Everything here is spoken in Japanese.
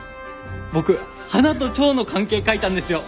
僕花と蝶の関係書いたんですよ！